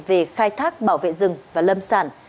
về khai thác bảo vệ rừng và lâm sản